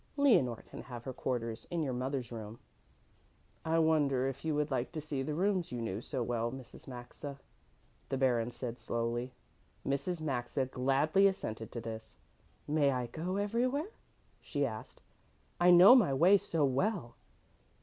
Leonore can have her quarters in your mother's rooms." "I wonder if you would like to see the rooms you knew so well, Mrs. Maxa," the Baron said slowly. Mrs. Maxa gladly assented to this. "May I go everywhere?" she asked. "I know my way so well."